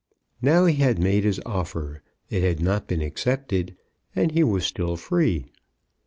Now he had made his offer; it had not been accepted, and he was still free.